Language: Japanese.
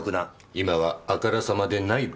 今はあからさまでない暴力団。